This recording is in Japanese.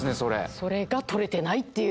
そこが撮れてないっていう。